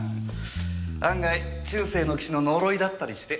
案外中世の騎士の呪いだったりして。